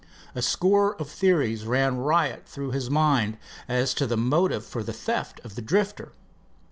A score of theories ran riot through his mind its to the motive for the theft of the Drifter.